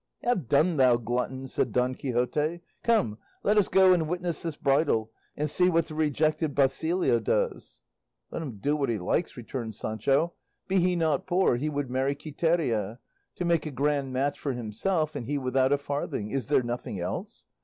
"Have done, thou glutton," said Don Quixote; "come, let us go and witness this bridal, and see what the rejected Basilio does." "Let him do what he likes," returned Sancho; "be he not poor, he would marry Quiteria. To make a grand match for himself, and he without a farthing; is there nothing else?